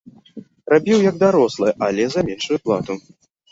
Рабіў як дарослы, але за меншую плату.